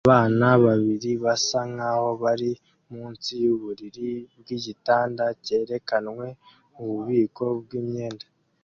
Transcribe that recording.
Abana babiri basa nkaho bari munsi yuburiri bwigitanda cyerekanwe mububiko bwimyenda